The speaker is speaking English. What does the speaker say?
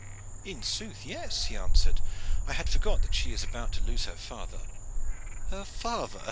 "In sooth, yes," he answered; "I had forgot that she is about to lose her father." "Her father!"